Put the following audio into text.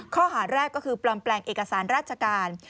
ข้อหาแรกก็คือปลอมแปลงเอกสารราชการ